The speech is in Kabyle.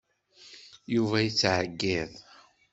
Yuba yettɛeyyiḍ.